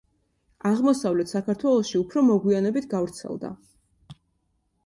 აღმოსავლეთ საქართველოში უფრო მოგვიანებით გავრცელდა.